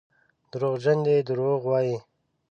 دروغجن دي دروغ وايي.